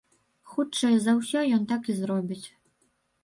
Хутчэй за ўсё, ён так і зробіць.